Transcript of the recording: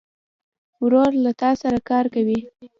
ورور له تا سره کار کوي.